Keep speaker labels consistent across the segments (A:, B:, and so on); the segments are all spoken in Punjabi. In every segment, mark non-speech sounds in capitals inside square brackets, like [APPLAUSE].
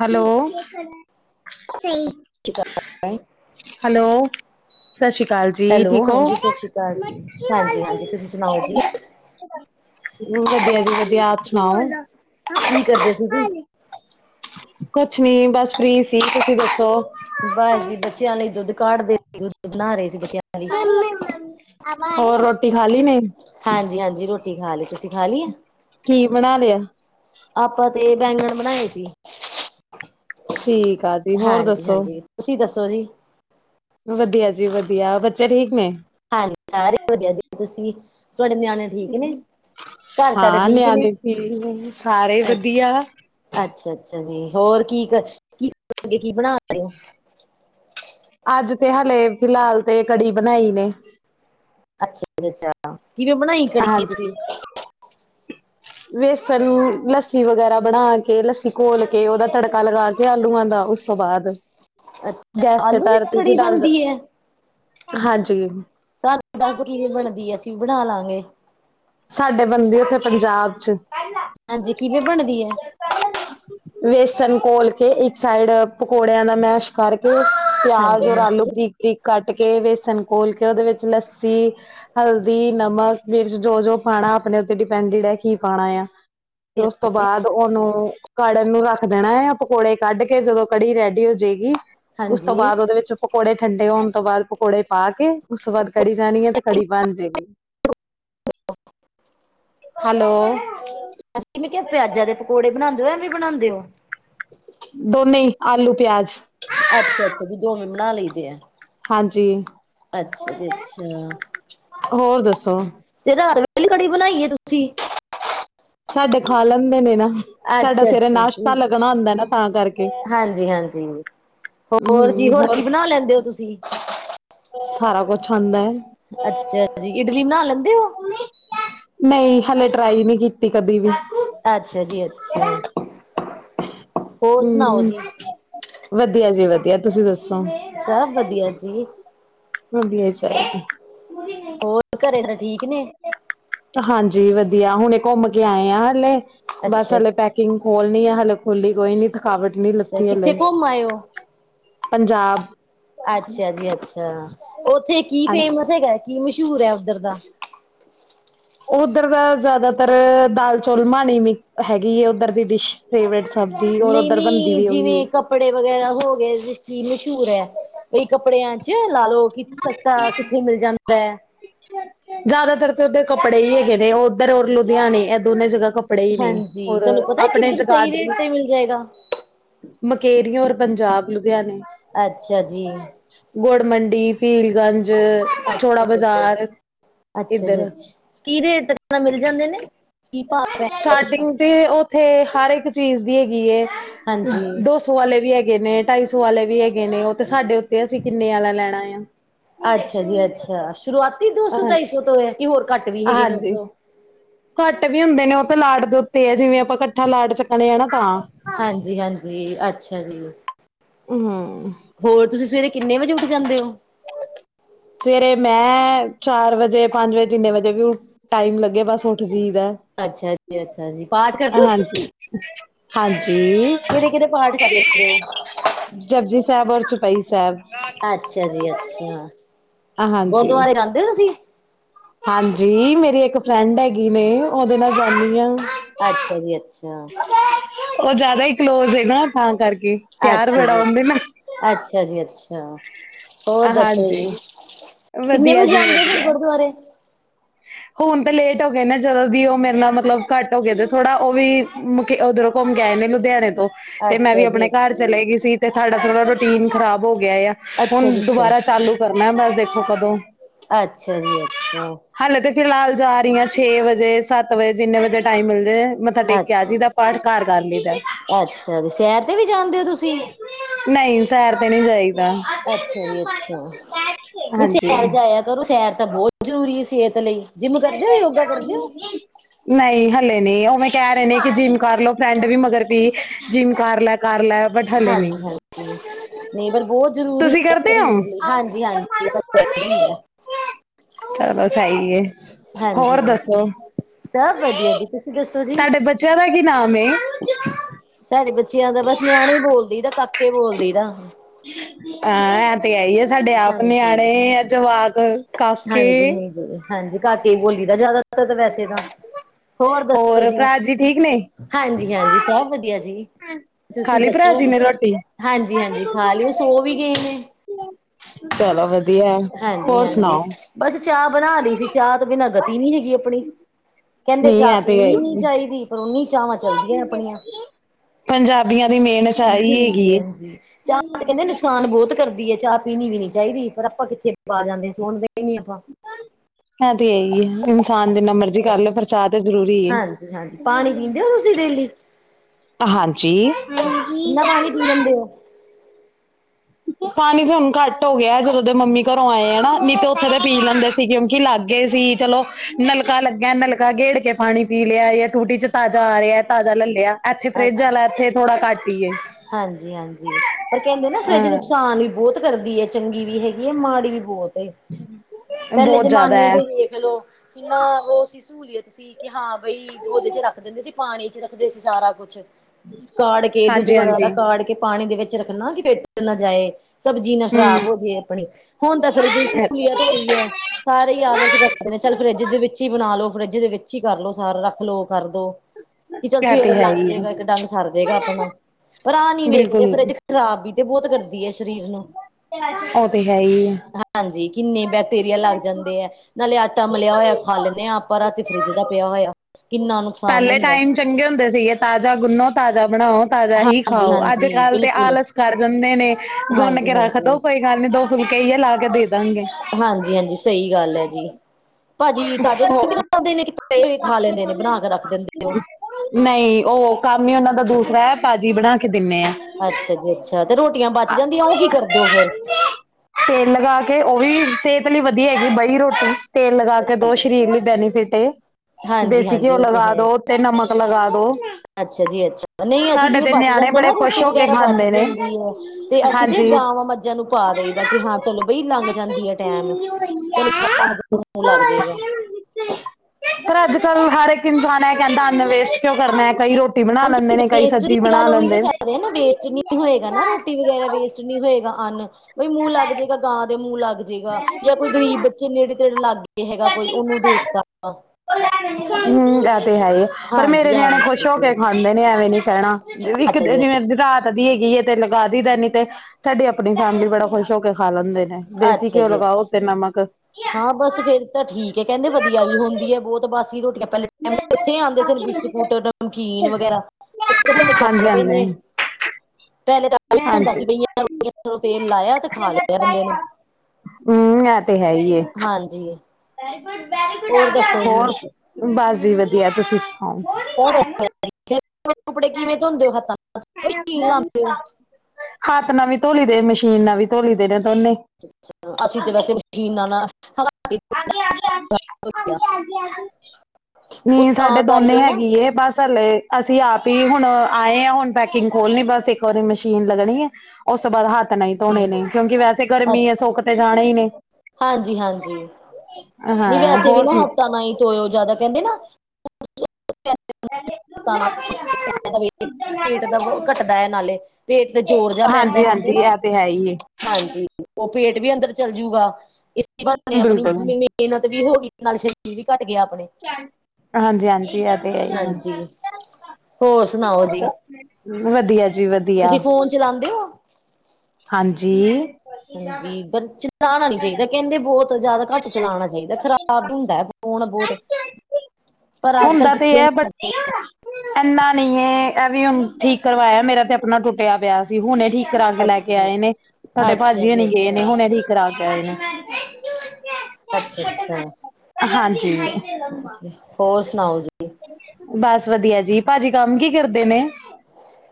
A: ਹੈਲੋ। ਹੈਲੋ। ਸਤਿ ਸ਼੍ਰੀ ਅਕਾਲ ਜੀ
B: ਹੈਲੋ
A: ਠੀਕ ਹੋ?
B: ਹਾਂਜੀ
A: ਵਧੀਆ
B: ਸਤਿ ਸ਼੍ਰੀ ਅਕਾਲ ਜੀ ਹਾਂਜੀ ਹਾਂਜੀ ਤੁਸੀਂ ਸੁਣਾਓ ਜੀ
A: ਜੀ- ਵਧੀਆ ਆਪ ਸੁਣਾਓ?
B: ਕੀ ਕਰਦੇ ਸੀ ਕੀ?
A: ਕੁਛ ਨੀ ਬਸ ਫਰੀ ਸੀ ਤੁਸੀਂ ਦੱਸੋ?
B: ਬਸ ਜੀ ਬੱਚਿਆਂ ਲਈ ਦੁੱਧ ਕਾਢਦੇ ਸੀ ਦੁੱਧ ਬਣਾ ਰਹੇ ਸੀ ਬੱਚਿਆਂ ਲਈ।
A: ਹੋਰ ਰੋਟੀ ਖਾ ਲਈ ਨੇ।
B: ਹਾਂਜੀ-ਹਾਂਜੀ, ਰੋਟੀ ਖਾ ਲਈ ਤੁਸੀਂ ਖਾ ਲਈਏ?
A: ਕੀ ਬਣਾ ਲਿਆ।
B: ਆਪਾਂ ਤੇ ਬੈਂਗਣ ਬਣਾਏ ਸੀ।
A: ਠੀਕ ਆ ਜੀ ਹੋਰ
B: ਹਾਂਜੀ
A: ਦੱਸੋ?
B: ਹਾਂਜੀ ਤੁਸੀਂ ਦੱਸੋ ਜੀ।
A: ਵਧੀਆ ਜੀ ਵਧੀਆ, ਬੱਚੇ ਠੀਕ ਨੇ।
B: ਹਾਂਜੀ ਸਾਰੇ ਵਧੀਆ, ਜੀ ਤੁਸੀਂ। ਨਿਆਣੇ ਠੀਕ ਨੇ ਘਰ ਸਾਰੇ
A: ਹਾਂ,
B: ਠੀਕ ਨੇ
A: ਨਿਆਣੇ ਸੀ ਸਾਰੇ ਵਧੀਆ।
B: ਅੱਛਾ-ਅੱਛਾ ਜੀ, ਹੋਰ ਕੀ ਕੀੱਗੇ ਕੀ ਬਣਾ? ਰਹੇ ਹੋ
A: ਅੱਜ ਤੇ ਹਲੇ ਫਿਲਹਾਲ ਤੇ ਕੜੀ ਬਣਾਈ ਨੇ।
B: ਅੱਛਾ-ਅੱਛਾ, ਕਿਵੇਂ ਬਣਾਈ ਕੜੀ
A: ਹਾਂਜੀ
B: ਤੁਸੀਂ?
A: ਵੇਸਣ, ਲੱਸੀ ਵਗੈਰਾ ਬਣਾ ਕੇ ਲੱਸੀ ਘੋਲ ਕੇ ਉਹਦਾ ਤੜਕਾ ਲਗਾ ਕੇ ਆਲੂਆਂ ਦਾ। ਉਸ ਤੋਂ ਬਾਅਦ
B: ਅੱਛਾ
A: ਗੈਸ ਤੇ
B: ਆਲੂ ਦੀ
A: ਤਰਤੀ ਸੀ
B: ਕੜੀ
A: ਡਲ
B: ਬਣਦੀ ਹੈ
A: ਹਾਂਜੀ।
B: ਸਾਨੂੰ ਦੱਸ ਦ ਕਿਵੇਂ ਬਣਦੀ ਅਸੀਂ ਵੀ ਬਣਾ ਲਾਂਗੇ।
A: ਸਾਡੇ ਬੰਦੇ ਉੱਥੇ ਪੰਜਾਬ ਚ
B: ਹਾਂਜੀ ਕਿਵੇਂ ਬਣਦੀ ਹੈ
A: ਵੇਸਣ ਘੋਲ ਕੇ ਇੱਕ ਸਾਈਡ ਪਕੌੜਿਆਂ ਦਾ ਮੈਸ਼ ਕਰਕੇ ਪਿਆਜ਼
B: ਹਾਂਜੀ
A: ਔਰ ਆਲੂ
B: ਹਾਂਜੀ
A: ਬਰੀਕ-ਬਰੀਕ ਕੱਟ ਕੇ ਬੇਸਣ ਘੋਲ ਕੇ ਉਹਦੇ ਵਿੱਚ ਲੱਸੀ, ਹਲਦੀ, ਨਮਕ, ਮਿਰਚ ਜੋ-ਜੋ ਖਾਣਾ ਆਪਣੇ ਉੱਤੇ ਪੈਂਦੀੜੈ ਕੀ ਖਾਉਣਾ ਆ ਤੇ ਉਸ ਤੋਂ ਬਾਅਦ ਉਹਨੂੰ ਕਾੜਨ ਨੂੰ ਰੱਖ ਦੇਣਾ ਆ। ਪਕੌੜੇ ਕੱਢ ਕੇ ਜਦੋਂ ਕੜੀ ਰੈਡੀ ਹੋ ਜਾਏਗੀ ਉਸ ਤੋਂ
B: ਹਾਂਜੀ
A: ਬਾਅਦ ਉਹਦੇ ਵਿੱਚ ਪਕੌੜੇ ਠੰਡੇ ਹੋਣ ਤੋਂ ਬਾਅਦ ਪਕੌੜੇ ਪਾ ਕੇ, ਉਸ ਤੋਂ ਬਾਅਦ ਕੜੀ ਜਾਣੀ ਹੈ, ਤੇ ਕੜੀ ਬਣ ਜਾਵੇਗੀ।
B: ਹ [UNINTELLIGIBLE]
A: ਹੈਲੋ
B: ਅ ਮ ਕਿਹਾ ਪਿਆਜਾਂ ਦੇ ਪਕੌੜੇ ਬਣਾਉਂਦੇ ਹੋ, ਐ ਵੀ ਬਣਾਉਦੇ ਹੋ।
A: ਦੋਨੇ ਹੀ, ਆਲੂ ਪਿਆਜ।
B: ਅੱਛਾ ਅੱਛਾ ਜੀ ਦੋਵੇਂ ਬਣਾ ਲਈਦੇ ਐ।
A: ਹਾਂਜੀ
B: ਅੱਛਾ ਜੀ ਅੱਛਾ
A: ਹੋਰ ਦੱਸੋ
B: ਤੇ ਰਾਤ ਵੇਲੀ ਕੜੀ ਬਣਾਈ ਏ ਤੁਸੀਂ।
A: ਸਾਡੇ ਖਾ ਲੈਂਦੇ ਨੇ ਨਾ। ਸਾਡਾ
B: ਅੱਛਾ
A: ਸਵੇਰੇ
B: ਅੱਛਾ ਜੀ
A: ਨਾਸ਼ਤਾ ਲੱਗਣਾ ਹੁੰਦਾ ਨਾ ਤਾਂ ਕਰਕੇ।
B: ਹਾਂਜੀ ਹਾਂਜੀ ਹੋਰ ਜੀ ਹੋਰ ਕੀ ਬਣਾ ਲੈਂਦੇ ਹੋ ਤੁਸੀਂ।
A: ਸਾਰਾ ਕੁਛ ਆਂਦਾ ਹੈ।
B: ਅੱਛਾ ਜੀ ਇਡਲੀ ਬਣਾ ਲੈਂਦੇ ਹੋ।
A: ਨਹੀਂ ਹਲੇ ਟਰਾਈ ਨਹੀਂ ਕੀਤੀ, ਕਦੀ ਵੀ।
B: ਅੱਛਾ ਜੀ ਅੱਛਾ ਹੋਰ ਸੁਣਾਓ
A: ਹਮ
B: ਜੀ।
A: ਵਧੀਆ ਜੀ ਵਧੀਆ ਤੁਸੀਂ ਦੱਸੋ।
B: ਸਭ ਵਧੀਆ ਜੀ
A: ਵਧੀਆ ਹੀ ਚਾਹਿਦਾ।
B: ਹੋਰ ਘਰੇ, ਤਾਂ ਠੀਕ ਨੇ।
A: ਹਾਂਜੀ ਵਧੀਆ ਹੁਣੇ ਘੁੰਮ ਕੇ ਆਏ ਆ ਹਾਲੇ, ਬਸ
B: ਅੱਛਾ
A: ਹਾਲੇ ਪੈਕਿੰਗ ਖੋਲਣੀ ਆ ਹਾਲੇ ਖੋਲੀ ਕੋਈ ਨੀ, ਥਕਾਵਟ ਨਹੀਂ
B: ਅੱਛਾ
A: ਲਥੀ
B: ਕਿੱਥੇ
A: ਹਾਲੇ,
B: ਘੁੰਮ ਆਏ ਹੋ
A: ਪੰਜਾਬ।
B: ਅੱਛਾ ਜੀ ਅੱਛਾ, ਔਥੇ ਕੀ
A: ਹਾਂਜੀ
B: ਫੇਮਸ ਹੈਗਾ। ਕੀ ਮਸ਼ਹੂਰ ਹੈ, ਉੱਧਰ ਦਾ।
A: ਉੱਧਰ ਦਾ ਜ਼ਿਆਦਾਤਰ ਦਾਲ ਚੌਲ, ਮਾਣੀ ਮ ਹੈਗੀ ਹੈ, ਉੱਧਰ ਦੀ ਡਿਸ਼ ਫੇਵਰੇਟ ਸਭ ਦੀ ਔਰ
B: ਨਹੀਂ
A: ਉੱਧਰ ਬਣਦੀ
B: ਨਹੀਂ
A: ਵੀ ਉਹੀ ਹੈ
B: ਜਿਵੇਂ ਕੱਪੜੇ ਵਗੈਰਾ ਹੋ ਗਏ, ਜਿਸ ਚੀਜ਼ ਲਈ ਮਸ਼ਹੂਰ ਹੈ। ਕਈ ਕੱਪੜਿਆਂ 'ਚ। ਲਾ ਲਓ ਕਿ ਸਸਤਾ ਕਿੱਥੇ ਮਿਲ ਜਾਂਦਾ ਹੈ
A: ਜ਼ਿਆਦਾਤਰ ਤੇ ਉਹ ਤੇ। ਕੱਪੜੇ ਹੀ ਹੈਗੇ ਨੇ ਉਹ ਉੱਧਰ ਔਰ ਲੁਧਿਆਣੇ ਇਹ ਦੋਨੇ ਜਗਾ। ਕੱਪੜੇ ਹੀ ਨੇ
B: ਹਾਂਜੀ
A: ਹੋਰ
B: ਤੁਹਾਨੂੰ ਪਤਾ
A: ਆਪਣੇ
B: ਕਿੱਧਰ ਸਹੀ
A: ਜਗਾਦਰੀ।
B: ਰੇਟ ਤੇ ਮਿਲ ਜਾਏਗਾ
A: ਮਕੇਰੀਆ ਔਰ ਪੰਜਾਬ, ਲੁਧਿਆਣੇ।
B: ਅੱਛਾ ਜੀ।
A: ਗੁੜ ਮੰਡੀ, ਫੀਲਗੰਜ, ਚੋੜਾ
B: ਅੱਛਾ ਜੀ
A: ਬਾਜ਼ਾਰ।
B: ਅੱਛਾ ਜੀ
A: ਇੱਧਰ
B: ਅੱਛਾ ਕੀ ਰੇਟ ਤੱਕ ਕੱਪੜੇ ਮਿਲ ਜਾਂਦੇ ਨੇ? ਕੀ ਭਾਅ ਪੈ ਦਾ?
A: ਸਟਾਰਟਿੰਗ ਤੇ ਔਥੇ। ਹਰ ਇੱਕ ਚੀਜ਼ ਦੀ ਹੈਗੀ ਹੈ,
B: ਹਾਂਜੀ
A: ਦੋ ਸੌ ਵਾਲੇ ਵੀ ਹੈਗੇ ਨੇ, ਢਾਈ ਸੌ ਵਾਲੇ ਵੀ ਹੈਗੇ। ਹੈਗੇ ਨੇ ਉਹ ਤੇ ਸਾਡੇ ਉੱਤੇ ਅਸੀਂ ਕਿੰਨੇ ਆਲਾ ਲੈਣਾ ਆ।
B: ਅੱਛਾ ਜੀ ਅੱਛਾ, ਸ਼ੁਰੂਆਤੀ ਦੋ ਸੌ
A: ਹਾਂ
B: ਢਾਈ ਸੌ ਤੋਂ ਹੈ ਕਿ ਹੋਰ? ਘੱਟ ਵੀ ਹੈਗੇ ਨੇ ਉਸ
A: ਹਾਂਜੀ
B: ਤੋਂ।
A: ਘੱਟ ਵੀ ਹੁੰਦੇ ਨੇ ਉਹ ਤੇ ਲਾਟ ਦੇ ਉੱਤੇ ਆ, ਜਿਵੇਂ ਆਪਾਂ ਇਕੱਠਾ ਲਾਟ ਚੱਕਣੇ ਆਂ ਨਾ, ਤਾਂ।
B: ਹਾਂਜੀ ਹਾਂਜੀ ਅੱਛਾ ਜੀ।
A: ਹੂ
B: ਹੋਰ ਤੁਸੀਂ ਸਵੇਰੇ ਕਿੰਨੇ ਵਜੇ ਉੱਠ ਜਾਂਦੇ ਹੋ?
A: ਸਵੇਰੇ ਮੈਂ ਚਾਰ ਵਜੇ, ਪੰਜ ਵਜੇ ਜਿੰਨੇ ਵਜੇ ਵੀ ਉਹ ਟਾਈਮ ਲੱਗੇ, ਬਸ ਉੱਠ ਈਦ ਐ
B: ਅੱਛਾ ਜੀ ਅੱਛਾ ਜੀ ਪਾਠ ਕਰਦੇ ਹੋ
A: ਹਾਂਜੀ ਹਾਂਜੀ।
B: ਤੇ ਔਹ।
A: ਪਰ ਚੌਪਈ ਸਾਹਿਬ।
B: ਅੱਛਾ ਜੀ ਅੱਛਾ
A: ਹਾਂਜੀ
B: ਗੁਰਦੁਆਰੇ ਜਾਂਦੇ ਹੋ ਤੁਸੀਂ?
A: ਹਾਂਜੀ ਮੇਰੀ ਇੱਕ ਫਰੈਂਡ ਹੈਗੀ ਨੇ ਉਹਦੇ ਨਾਲ ਜਾਣੀ ਆਂ।
B: ਅੱਛਾ ਜੀ ਅੱਛਾ।
A: ਉਹ ਜ਼ਿਆਦਾ ਹੀ ਕਲੋਜ ਹੈ। ਨਾ ਤਾਂ ਕਰਕੇ? ਪਿਆਰ
B: ਅੱਛਾ
A: ਬੜਾ
B: ਜੀ
A: ਉਹਦੇ ਨਾਲ
B: ਅੱਛਾ ਅੱਛਾ ਜੀ ਅੱਛਾ। ਹੋਰ ਦੱਸੋ ਜੀ
A: ਹਾਂਜੀ
B: ਕਿੰਨੇ
A: ਵਧੀਆ
B: ਵਜੇ
A: ਜੀ
B: ਜਾਂਦੇ ਹੋ ਫਿਰ
A: ਵਧੀਆ।
B: ਗੁਰੂਦੁਆਰੇ।
A: ਹੁਣ ਤੇ ਲੇਟ ਹੋ ਗਏ ਨੇ ਜਦੋਂ ਦੀ ਉਹ ਮੇਰੇ ਨਾਲ ਮਤਲਬ ਘੱਟ ਹੋ ਗਏ ਤੇ ਥੋੜਾ ਉਹ ਵੀ ਮੁ ਉਧਰੋਂ ਘੁੰਮ। ਗਏ ਨੇ ਲੁਧਿਆਣੇ ਤੋਂ ਤੇ ਮੈਂ
B: ਅੱਛਾ
A: ਵੀ
B: ਜੀ
A: ਆਪਣੇ ਘਰ
B: ਅੱਛਾ,
A: ਚਲੇ ਗਈ ਸੀ ਤੇ ਸਾਡਾ ਥੋੜਾ ਰੂਟੀਨ ਖਰਾਬ ਹੋ ਗਿਆ। ਗਿਆ ਆ
B: ਅੱਛਾ
A: ਹੁਣ
B: ਜੀ ਅੱਛਾ,
A: ਦੁਬਾਰਾ ਚਾਲੂ ਕਰਨਾ ਬਸ ਦੇਖੋ ਕਦੋਂ?
B: ਅੱਛਾ ਜੀ ਅੱਛਾ।
A: ਹਾਲੇ ਤੇ ਫਿਲਹਾਲ ਜਾ ਰਹੀ ਹਾਂ ਛੇ ਵਜੇ, ਸੱਤ ਵਜੇ ਜਿੰਨੇ ਵਜੇ ਟਾਈਮ ਮਿਲ ਜੇ। ਮੱਥਾ ਟੇਕ ਕੇ ਆ
B: ਅੱਛਾ ਜੀ,
A: ਜਿਦਾ ਪਾਠ ਘਰ ਕਰ ਲਈਦਾ।
B: ਅੱਛਾ ਜੀ ਸੈਰ ਤੇ ਵੀ ਜਾਂਦੇ ਹੋ ਤੁਸੀਂ?
A: ਨਹੀਂ ਸੈਰ ਤੇ ਨਹੀਂ ਜਾਈਦਾ।
B: ਅੱਛਾ ਜੀ ਅੱਛਾ ਤੁਸੀਂ
A: ਹਾਂਜੀ
B: ਸੈਰ ਜਾਇਆ ਕਰੋ ਸੈਰ ਤਾਂ ਬਹੁਤ ਜ਼ਰੂਰੀ ਸਿਹਤ। ਲਈ ਜਿੰਮ ਕਰਦੇ ਹੋ ਯੋਗਾ ਕਰਦੇ ਹੋ
A: ਨਹੀ ਹਲੇ। ਨਹੀਂ ਉਹਵੇਂ ਕਹਿ ਰਹੇ ਨੇ ਕਿ ਜਿੰਮ ਕਰ ਲਓ ਫਰੈਂਡ ਵੀ ਮਗਰ ਪਈ ਜਿੰਮ ਕਰ ਲੈ ਕਰ ਲੈ। ਬਟ ਹਲੇ ਨਹੀਂ
B: ਹਾਂਜੀ ਹਾਂਜੀ। ਨਹੀਂ ਪਰ ਬਹੁਤ ਜ਼ਰੂਰੀ
A: ਤੁਸੀਂ
B: ਹੈ
A: ਕਰਦੇ ਹੋ
B: ਸਰੀਰ ਲਈ ਹਾਂਜੀ ਹਾਂਜੀ ਹੁੰਦਾ।
A: ਚਲੋ ਸਹੀ ਹੈ ਹੋਰ
B: ਹਾਂਜੀ
A: ਦੱਸੋ?
B: ਸਭ ਵਧੀਆ ਜੀ ਤੁਸੀਂ ਦੱਸੋ ਜੀ
A: ਤੁਹਾਡੇ ਬੱਚਿਆਂ ਦਾ ਕੀ ਨਾਮ ਹੈ?
B: ਸਾਡੇ ਬੱਚਿਆਂ ਦਾ ਬਸ ਨਿਆਣੇ ਹੀ ਬੋਲ ਦੀ ਦਾ ਕਾਕੇ ਬੋਲ ਦੀ ਦਾ।
A: ਹਾਂ ਐ ਤੇ ਹੈ ਹੀ ਹੈ ਸਾਡੇ ਆਪ
B: ਹਾਂਜੀ
A: ਨਿਆਣੇ ਆ ਜਵਾਕ। ਕਾਕੇ
B: ਹਾਂਜੀ ਹਾਂਜੀ ਹਾਂਜੀ ਕਾਕੇ ਹੀ ਬੋਲੀ ਦਾ ਜ਼ਿਆਦਾਤਰ ਤਾਂ ਵੈਸੇ ਤਾਂ। ਹੋਰ ਦੱਸੋ ਜੀ
A: ਭਰਾ ਠੀਕ ਨੇ
B: ਹਾਂਜੀ ਹਾਂਜੀ ਸਭ ਵਧੀਆ ਜੀ। ਤੁਸੀਂ
A: ਖਾਲੀ ਭਰਾ
B: ਦੱਸੋ
A: ਜੀ ਨੇ ਰੋਟੀ
B: ਹਾਂਜੀ ਹਾਂਜੀ ਖਾ ਲਈ ਉਹ ਸੋ ਵੀ ਗਏ ਨੇ।
A: ਚਲੋ ਵਧੀਆ।
B: ਹਾਂਜੀ
A: ਹੋਰ
B: ਹਾਂਜੀ
A: ਸੁਣਾਓ
B: ਬਸ ਚਾਹ ਬਣਾ ਰਹੀ ਸੀ ਚਾਹ ਤੋਂ ਬਿਨਾਂ ਗਤੀ ਨਹੀਂ ਹੈਗੀ। ਅਪਣੀ ਕਹਿੰਦੇ
A: ਨਹੀਂ
B: ਚਾਹ
A: ਐ ਤੇ ਹੈ
B: ਪੀਣੀ ਨੀ
A: ਹੀ
B: ਚਾਹੀਦੀ। ਉੱਨੀ ਚਾਵਾਂ ਚੱਲਦੀਆਂ ਐ ਅਪਣੀਆ।
A: ਪੰਜਾਬੀਆਂ ਦੀ ਮੇਨ ਚਾਹ ਹੀ ਹੈਗੀ
B: ਹਣਜੀ
A: ਏ
B: ਹਣਜੀ ਚਾਹ ਤੇ ਕਹਿੰਦੇ ਨੁਕਸਾਨ ਬਹੁਤ ਕਰਦੀ ਐ। ਚਾਹ ਪੀਣੀ ਵੀਨੀ ਚਾਹੀਦੀ ਪਰ ਆਪਾਂ ਕਿੱਥੇ ਬਾਜ ਆਂਦੇ ਸੁਣਦੇ ਇੰਨੀ ਆਪਾਂ।
A: ਹੈ ਤੇ ਇਹੀ ਐ ਇਨਸਾਨ ਜਿੰਨਾ ਮਰਜੀ ਕਰ ਲ ਪਰ ਚਾਹ ਤੇ ਜ਼ਰੂਰੀ ਐ।
B: ਹਾਂਜੀ ਪਾਣੀ ਪੀਂਦੇ ਔ ਤੁਸੀਂ ਡੇਲੀ।
A: ਪਹਾਨ।
B: ਕਿੰਨਾ ਪਾਣੀ ਪੀ ਲੈਂਦੇ ਔ।
A: ਪਾਣੀ ਤੇ ਹੁਣ ਘੱਟ ਔ ਗਿਆ ਜਦੋਂ ਦੇ ਮੰਮੀ ਘਰੋਂ ਆਏ ਆ ਨਾ ਨੀ ਤੇ ਉੱਥੇ ਤਾਂ ਪੀ ਲੈਂਦੇ ਸੀ ਕਿਉਂਕਿ ਲਾ ਗੇ ਸੀ ਚਲੋ ਨਲਕਾ ਲੱਗਿਆ ਨਲਕਾ ਗੇੜ ਕੇ ਪਾਣੀ ਪੀ ਲਿਆ ਯਾਂ ਟੂਟੀ ਚ ਤਾਜ਼ਾ ਆ ਰਿਹਾ ਤਾ ਅਲਾ ਲੇ ਲਿਆ ਇੱਥੇ ਫਰਿੱਜ ਆਲਾ
B: ਅੱਛਾ
A: ਇੱਥੇ ਥੋੜਾ ਘੱਟ ਈ ਏ।
B: ਹਾਂਜੀ ਹਾਂਜੀ ਪਰ ਕਹਿੰਦੇ ਨਾ ਫਰਿੱਜ
A: ਹਾਂ,
B: ਨੁਕਸਾਨ ਵੀ ਬਹੁਤ ਕਰਦੀ ਐ। ਚੰਗੀ ਵੀ ਹੈਗੀ ਐਂ ਮਾੜੀ ਵੀ ਬਹੁ
A: ਤੀਮੀ ਬੋ
B: ਪਹਿਲੇ ਜਮਾਨੇ ਚ ਵੇਖਲਓ ਕਿਨਾ ਔ ਸੀ। ਸਹੂਲੀਅਤ ਸੀ ਕਿ ਹਾਂ ਬਈ ਉਹਦੇ ਚ ਰੱਖ ਦਿੰਦੇ ਸੀ ਪਾਣੀ ਚ ਰੱਖਦੇ ਸੀ ਸਾਰਾ ਕੁਛ। ਕਾੜ ਕੇ ਦੁੱਧ
A: ਹਾਂਜੀ
B: ਵਗੈਰਾ
A: ਹਾਂਜੀ
B: ਕਾੜ ਕੇ ਪਾਣੀ ਦੇ ਵਿੱਚ ਰੱਖਣਾ ਕਿ ਫੇ ਨਾ ਜਾਏ। ਸਬਜ਼ੀ ਨਾ ਖ਼ਰਾਬ
A: ਹੂੰ
B: ਔ ਜੇ ਅਪਣੀ ਹੁਣ ਤਾਂ ਫਰਿਜ ਵੀ ਸੂਲੀਅਤ ਹੋਈ। ਸਾਰੇ ਈ ਆਲਸ ਕਰਦੇ ਨੇ ਚੱਲ ਫਰਿੱਜ ਜੇ ਵਿੱਚ ਈ ਬਣਾ ਲੋ ਫਰਿੱਜ ਜੇ ਵਿੱਚ ਈ ਕਰ ਲੋ ਸਾਰਾ ਰੱਖ ਲੋ ਕਰ ਦੋ, ਕੀ ਚੱਲ
A: ਇਹ ਤੇ
B: ਸਵੇਰੇ
A: ਹੈ
B: ਲੰਘ
A: ਹੀ ਹੈ
B: ਜੇਗਾ ਇੱਕ ਡੰਗ ਸਰ ਜੇਗਾ ਆਪਣਾ। ਪਰ ਆ ਨੀ ਵੇਖਦੇ
A: ਬਿਲਕੁਲ
B: ਫਰਿੱਜ ਖਰਾਬ ਵੀ ਤੇ ਬਹੁਤ ਕਰਦੀ ਅ ਸਰੀਰ ਨੂੰ।
A: ਉਹ ਤੇ ਹੈ ਹੀ ਹੈ
B: ਹਾਂਜੀ ਕਿੰਨੇ ਬੈਕਟੀਰੀਆ ਲੱਗ ਜਾਂਦੇ ਐ, ਨਾ। ਟਾ ਮਲਿਆ ਹੋਇਆ ਖਾ ਲੈਣੇ ਆ ਆਪਾਂ ਰਾਤੀ ਫਰਿੱਜ ਦਾ ਪਿਆ ਹੋਇਆ। ਕਿੰਨਾ ਨੁਕਸਾਨ
A: ਪਹਿਲੇ
B: ਦਿੰਦਾ
A: ਟਾਈਮ ਚੰਗੇ ਹੁੰਦੇ ਸਿਗੇ ਤਾਜ਼ਾ ਗੁੰਨੋ ਤਾਜ਼ਾ। ਬਣਾਓ ਤਾਜ਼ਾ ਹੀ
B: ਹਾਂਜੀ
A: ਖਾਓ ਅੱਜ
B: ਹਾਂਜੀ
A: ਕੱਲ ਤੇ
B: ਬਿਲਕੁਲ
A: ਆਲਸ ਕਰ ਜਾਂਦੇ ਨੇ ਗੁੰਨ
B: ਹਾਂਜੀ
A: ਕੇ ਰੱਖ
B: ਹਾਂਜੀ
A: ਦੋ ਕੋਈ ਗੱਲ ਨੀ। ਦੋ ਫੁਲਕੇ ਈ ਐ ਲਾ ਕੇ ਦੇ। ਦਾਂਗੇ
B: ਹਾਂਜੀ ਹਾਂਜੀ ਸਹੀ ਗੱਲ ਅ ਜੀ ਭਾਜੀ ਤਾਜ਼ੇ
A: ਹੋ
B: [UNINTELLIGIBLE] ਖਾ ਲੈਂਦੇ ਨੇ ਬਣਾ ਕੇ ਰੱਖ ਦਿੰਦੇ ਹੋ
A: ਨਹੀਂ, ਉਹ ਕੰਮ ਹੀ ਉਹਨਾਂ ਦਾ ਦੂਸਰਾ ਐ। ਤਾਜੀ ਬਣਾ। ਕੇ ਦਿੰਨੇ
B: ਆ
A: ਤੇਲ ਲਗਾ। ਉਹ ਵੀ ਸਿਹਤ ਲਈ ਵਧੀਆ ਹੈਗੀ ਬਹੀ ਰੋਟੀ ਤੇਲ ਲਗਾ ਕੇ ਦੋ
B: ਹਾਂਜੀ
A: ਸਰੀਰ ਲਈ ਬੈਨੀਫਿਟ ਐ।
B: ਹਾਂਜੀ
A: ਦੇਸੀ ਘਿਓ
B: ਹਾਂਜੀ ਉਹ ਤੇ
A: ਲਗਾ
B: ਹੈ
A: ਦੋ ਤੇ ਨਮਕ ਲਗਾ ਦੋ।
B: ਅੱਛਾ ਜੀ, ਅੱਛਾ ਨਹੀਂ, ਅਸੀਂ
A: ਸਾਡੇ
B: ਜਿਵੇਂ
A: ਤੇ
B: ਬਚ
A: ਨਿਆਣੇ
B: ਜਾਂਦਾ
A: ਬੜੇ
B: ਨਾ
A: ਖੁਸ਼
B: ਰੋਟੀ
A: ਹੋ ਕੇ
B: ਵਗੈਰਾ ਬਚ
A: ਖਾਂਦੇ ਨੇ
B: ਜਾਂਦੀ ਐ, ਤੇ ਅਸੀਂ
A: ਹਾਂਜੀ।
B: ਗਾਵਾਂ-ਮੱਝਾਂ ਨੂੰ ਪਾ ਦਈਦਾ ਕਿ ਹਾਂ, ਚਲੋ ਬਈ, ਲੰਘ ਜਾਂਦੀ ਐ ਟੈਮ, ਚਲੋ ਜੇਗਾ।
A: ਪਰ ਅੱਜ ਕੱਲ ਹਰ ਇੱਕ ਇਨਸਾਨ ਅਹ ਕਹਿੰਦਾ, 'ਅੰਨ ਵੇਸਟ ਕਿਉਂ ਕਰਨਾ ਐ, ਕਈ ਰੋ
B: ਹਾਂਜੀ ਵੇਸਰੀ ਗੱਲ ਉਹੀ ਤੇ ਕਰ ਰਹੇ ਨਾ, ਵੇਸਟ ਨਹੀਂ ਹੋਏਗਾ ਨਾ, ਰੋਟੀ ਵਗੈਰਾ ਵੇਸਟ ਨਹੀਂ ਹੋਏਗਾ। ਅੰਨ ਬਈ ਮੂੰਹ ਲੱਗਜੇਗ, ਗਾਂ ਦੇ ਮੂੰਹ ਲੱਗਜੇਗ ਯਾ ਕੋਈ ਗਰੀਬ ਬੱਚੇ ਨੇੜੇ ਤੇੜੇ ਲ
A: ਹਮ ਗਲ ਯਾਂ ਪਰ ਮੇਰੇ
B: ਹਾਂਜੀ
A: ਨਿਆਣੇ ਖੁਸ਼ ਹੋ
B: ਐਵੇਂ
A: ਕੇ ਖਾਂਦੇ ਨੇ, ਐਵੇਂ ਨੀ ਕਹਿਣਾ। ਵਿਕ
B: ਅੱਛਾ
A: ਦੇ
B: ਜੀ
A: ਜਿਵੇਂ ਰਾਤ ਦੀ ਏਗੀ ਐ ਤੇ ਦੀ ਦੇਣੀ ਤੇ ਸਾਡੀ ਆਪਣੀ ਫੈਮਿਲੀ ਬੜਾ ਖੁਸ਼ ਹੋ ਕੇ ਖਾ ਲੈਂਦੇ ਦੇਸੀ
B: ਅੱਛਾ
A: ਘਿਓ
B: ਜੀ
A: ਲਗਾਓ ਉਤੇ
B: ਅੱਛਾ
A: ਨਮਕ
B: ਹਾਂ ਬਸ ਫੇਰ ਤੇ। ਕਹਿੰਦੇ ਵਧੀਆ ਈ ਹੁੰਦੀ ਐ ਬਹੁਤ ਬਾਸੀ ਰੋ ਇਥੇ ਈ ਆਂਦੇ ਸਨ ਬਿਸਕੁਟ ਨਮਕੀਨ ਵਗੈਰਾ। ਹੁਣ ਚਲ
A: ਹਾਂਜੀ
B: ਪੈਣੇ।
A: ਹਾਂਜੀ।
B: ਪਹਿਲੇ ਤਾਂ ਆ ਈ ਹੁੰਦਾ
A: ਹਾਂਜੀ।
B: ਸੀ ਬਈ---ਗਸਟਰੋ ਤੇਲ ਲਾਇਆ ਤੇ ਖਾ ਲਿਆ ਬੰਦੇ ਨੂੰ।
A: ਹਮ ਅ ਤੇ ਹੈ ਈ।
B: ਹਾਂਜੀ
A: ਵੇਰੀ ਗੂਡ
B: ਹੋਰ
A: ਅਫਟਰਨੂਨ
B: ਦੱਸੋ ਜੀ
A: ਹੋਰ ਬਸ ਜੀ ਵਧੀਆ ਤੁਸੀ ਸਣ ਹ ਨ
B: ਸਭ
A: ਪਾਏ ਨਾ
B: ਵਧੀਆ
A: [INAUDIBLE]
B: ਜੀ। ਫਿਰ
A: [INAUDIBLE]
B: ਕੱਪੜੇ ਕਿਵੇਂ ਧੋਂਦੇ ਹੋ ਹੱਥਾਂ ਨਾਲ ਧੋਂਦੇ ਹੋ, ਮਸ਼ੀਨ ਲਾਉਂਦੇ ਹੋ
A: ਹੱਥ ਨ ਵੀ ਧੋਲੀ ਦੇ ਮਸ਼ੀਨ ਨ ਵੀ ਧੋਲੀ ਦੇ ਨੇ ਦੋਨੇ।
B: ਅਸੀ ਤੇ ਵੈਸੇ ਮਸ਼ੀਨ ਨਾਲ ਨ
A: ਆਗੇ, ਆਗੇ, ਆਗੇ, ਆਗੇ, ਆਗੇ, ਆਗੇ
B: ਉਹ
A: ਵੀ ਸਾਡੇ
B: ਤਾਂ
A: ਦੋਨੇ
B: ਕਰਕੇ ਨਾ
A: ਹੈਗੀ ਏ, ਬਸ ਹਲੇ ਅਸੀ ਆਪ ਈ ਹੁਣ ਆਏ ਆ ਹੁਣ ਪੈਕਿੰਗ ਖੋਲਣੀ ਬਸ ਇੱਕ ਵਾਰੀ ਮਸ਼ੀਨ ਲੱਗਣੀ ਏ ਉਸ ਤੋ ਬਾਅਦ ਹੱਥ ਨ ਹੀ
B: ਹਾਂਜੀ
A: ਧੋਣੇ ਨੇ
B: ਹਾਂਜੀ
A: ਕਿਉਂਕਿ ਵੈਸੇ ਗਰਮੀ
B: ਅੱਛ-
A: ਹੈ ਸੋਕ ਤੇ ਜਾਣੇ ਈ ਨੇ
B: ਨੀ
A: ਹਾਂ,
B: ਵੈਸੇ ਵੀ
A: ਹੋਰ
B: ਨਾ
A: ਕੀ
B: ਹੱਥਾ ਨਾਲ ਹੀ ਧੋਇਓ ਜਿਆਦਾ ਕਹਿੰਦੇ [INAUDIBLE] ਪੇਟ ਦਾ ਘੱਟਦਾ ਐ ਨਾਲੇ ਪੇਟ ਤੇ ਜੋਰ ਜਾ ਪੈਂਦੈ
A: ਹਾਂਜੀ-ਹਾਂਜੀ ਐ ਤੇ ਹੈ ਈ ਏ,
B: ਹਾਂਜੀ ਓ [INAUDIBLE] ਪੇਟ ਵੀ ਅੰਦਰ ਚੱਲਜੂਗਾ ਇਸ ਬਹਾਨੇ ਆਪਣੀ
A: ਬਿਲਕੁਲ।
B: ਮਿਹਨਤ ਵੀ ਹੋਗੀ ਨਾਲ ਸਰੀਰ ਵੀ ਘੱਟ ਗਿਆ ਆਪਣੇ
A: ਹਾਂਜੀ ਹਾਂਜੀ ਇਹ ਤੇ ਹੈ ਹੀ ਹੈ
B: ਹਾਂਜੀ ਹੋਰ ਸਣਾਯੋ ਜੀ
A: ਵਧੀਆ ਜੀ। ਵਧੀਆ
B: ਤੁਸੀ ਫੋਨ ਚਲਾਉਂਦੇ ਓ?
A: ਹਾਂਜੀ।
B: ਹਾਂਜੀ ਪਰ ਚਲਾਣਾ ਨੀ ਚਾਹੀਦਾ ਕਹਿੰਦੇ ਬਹੁਤ ਜਿਆਦਾ ਘੱਟ ਚਲਾਉਣਾ ਚਾਹੀਦਾ ਖ਼ਰਾਬ ਹੁੰਦੈ ਫੋਨ ਬਹੁਤ ਪਰ ਅੱਜ ਕੱਲ
A: ਹੁੰਦਾ ਤੇ
B: ਕਿੱਥੇ
A: ਐ ਬਟ,
B: ਮੰਨਦੇ ਨੇ।
A: ਐਂਨਾ ਨਹੀ ਏ, ਇਹ ਵੀ ਹੁਣ ਠੀਕ ਕਰਵਾਇਆ, ਮੇਰਾ ਤੇ ਅਪਣਾ ਟੁੱਟਿਆ ਪਿਆ ਸੀ, ਹੁਣੇ ਠੀਕ ਠੀਕ ਕਰਾ ਕੇ
B: ਅੱਛਾ
A: ਲੈਕੇ
B: ਜੀ
A: ਆਏ ਨੇ,
B: ਅੱਛਾ
A: ਤੁਹਾਡੇ
B: ਅੱਛਾ
A: ਭਾਜੀ
B: ਜੀ
A: ਹੁਣੀ ਗਏ ਨੇ
B: ਅੱਛਾ
A: ਹੁਣੇ ਠੀਕ ਕਰਾ ਕੇ ਆਏ ਨੇ
B: ਅੱਛਾ ਅੱਛਾ
A: [INAUDIBLE] ਹਾਂਜੀ [INAUDIBLE]
B: ਹਾਂਜੀ ਹੋਰ ਸੁਣਾਓ ਜੀ
A: ਬਸ ਵਧੀਆ ਜੀ ਭਾਜੀ ਕੰਮ ਕੀ ਕਰਦੇ ਨੇ?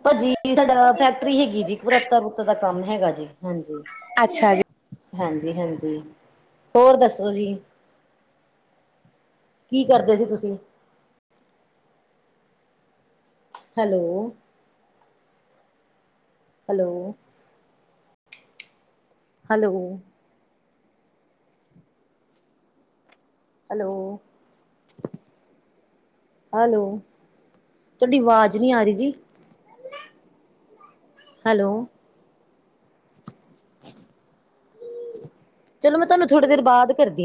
B: ਭਾਜੀ ਸਾਡਾ ਫੈਕਟਰੀ ਹੈਗੀ ਜੀ ਪਰੱਤਾ ਪਰੁੱਤਾ ਦਾ ਕੰਮ ਹੈਗਾ ਜੀ ਹਾਂਜੀ
A: ਅੱਛਾ ਜੀ।
B: ਹਾਂਜੀ ਹਾਂਜੀ ਹੋਰ ਦੱਸੋ ਜੀ। ਕੀ ਕਰਦੇ ਸੀ ਤੁਸੀ? Hello? Hello. Hello. Hello. Hello ਤੁਹਾਡੀ ਆਵਾਜ਼ ਨੀ ਆ ਰਹੀ ਜੀ। ਹੈਲੋ? ਚਲੋ ਮੈ ਤੁਹਾਨੂੰ ਥੋੜੀ ਦੇਰ ਬਾਦ ਕਰਦੀ ਆ।